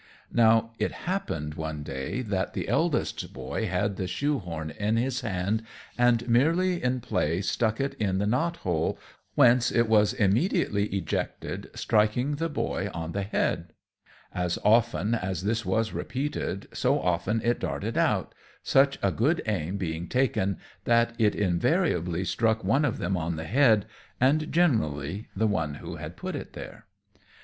Now, it happened one day that the eldest boy had the shoe horn in his hand, and merely in play stuck it in the knot hole, whence it was immediately ejected, striking the boy on the head. [Illustration: The Brownie's revengeful Pranks.] As often as this was repeated so often it darted out, such good aim being taken that it invariably struck one of them on the head, and generally the one who had put it there.